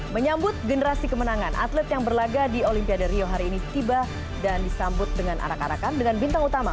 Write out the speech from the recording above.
menyambut generasi kemenangan atlet yang berlaga di olimpiade rio hari ini tiba dan disambut dengan arak arakan dengan bintang utama